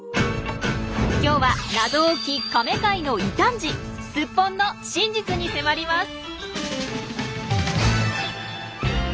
今日は謎多きカメ界の異端児スッポンの真実に迫ります！